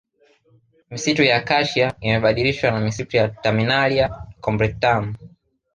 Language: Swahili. Misitu ya Acacia imebadilishwa na misitu ya Terminalia Combretum